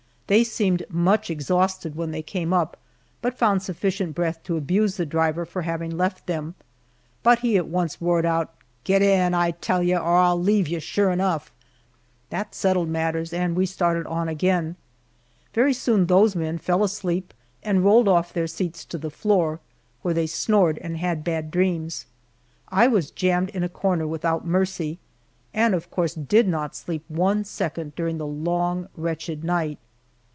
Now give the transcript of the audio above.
They seemed much exhausted when they came up, but found sufficient breath to abuse the driver for having left them; but he at once roared out, "Get in, I tell you, or I'll leave you sure enough!" That settled matters, and we started on again. Very soon those men fell asleep and rolled off their seats to the floor, where they snored and had bad dreams. I was jammed in a corner without mercy, and of course did not sleep one second during the long wretched night.